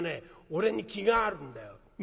俺に気があるんだよ。